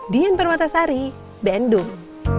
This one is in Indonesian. dian parwatasari bandung